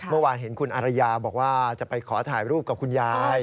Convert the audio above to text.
เมื่อวานเห็นคุณอารยาบอกว่าจะไปขอถ่ายรูปกับคุณยาย